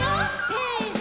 せの！